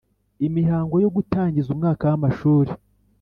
Imihango yo gutangiza umwaka w amashuri